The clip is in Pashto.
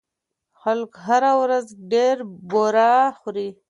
خلک هره ورځ ډېره بوره خوري.